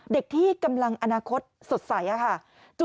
เด็กที่กำลังอนาคตสดใสค่ะ